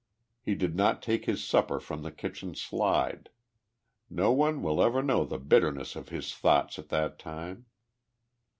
He did not take his supper from the kitchen slide. Xo one will ever know the bitterness of ins thoughts at that time.